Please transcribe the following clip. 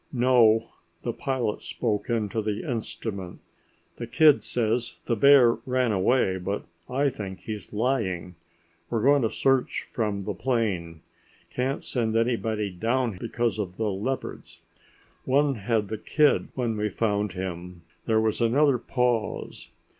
"No," the pilot spoke into the instrument, "the kid says the bear ran away, but I think he's lying. We're going to search from the plane. Can't send anybody down because of the leopards. One had the kid when we found him." There was another pause.